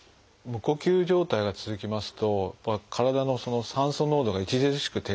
無呼吸状態が続きますと体の酸素濃度が著しく低下します。